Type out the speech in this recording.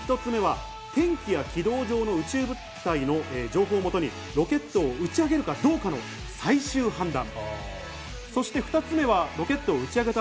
一つ目は、天気や軌道上の宇宙物体を情報を元にロケットを打ち上げるかどうか最終判断。